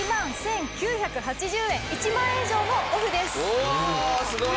おおすごい！